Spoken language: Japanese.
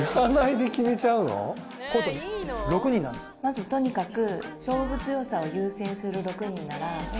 まずとにかく。